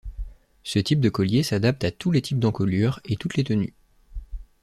Ce type de collier s'adapte à tous les types d'encolures et toutes les tenues.